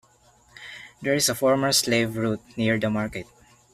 There is a former slave route near the market.